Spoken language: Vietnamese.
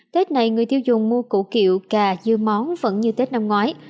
tết này người tiêu dùng mua củ kiệu cà dưa món vẫn như tết năm ngoái